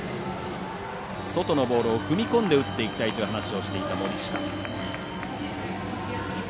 外のボールを踏み込んで打っていきたいという話をしていました。